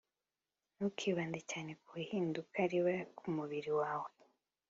Ntukibande cyane ku ihinduka riba ku mubiri wawe